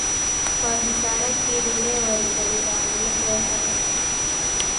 په حصارک کې ډوډۍ ورېدلې ده، ملک ورته وویل.